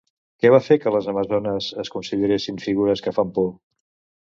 Què va fer que les amazones es consideressin figures que fan por?